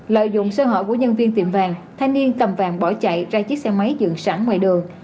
lợi dụng sơ hở của nhân viên tiệm vàng thanh niên cầm vàng bỏ chạy ra chiếc xe máy dựng sẵn ngoài đường